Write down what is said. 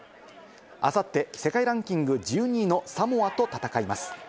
あさって世界ランキング１２位のサモアと戦います。